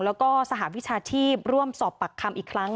แล้วก็สหวิชาชีพร่วมสอบปากคำอีกครั้ง